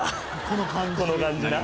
この感じな。